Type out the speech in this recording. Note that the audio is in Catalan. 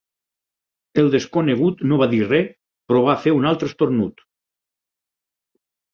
El desconegut no va dir res, però va fer un altre esternut.